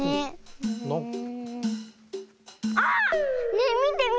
ねえみてみて。